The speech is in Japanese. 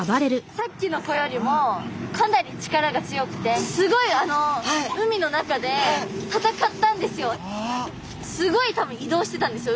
さっきの子よりもかなり力が強くてすごいあのすごい多分移動してたんですよ